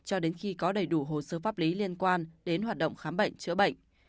cho đến khi có đầy đủ hồ sơ pháp lý liên quan đến hoạt động khám bệnh chữa bệnh